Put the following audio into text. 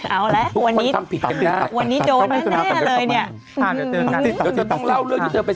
เอาละวันนี้โดนแน่เลยเนี่ย